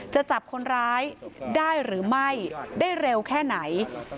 จะจับคนร้ายได้หรือไม่ได้เร็วแค่ไหน